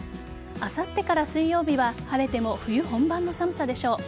あさってから水曜日は晴れても冬本番の寒さでしょう。